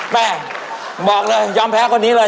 แม่บอกเลยยอมแพ้คนนี้เลย